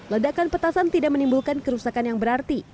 ledakan petasan tidak menimbulkan kerusakan yang berarti